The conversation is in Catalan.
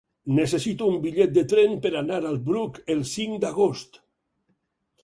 Necessito un bitllet de tren per anar al Bruc el cinc d'agost.